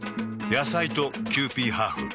野菜とキユーピーハーフ。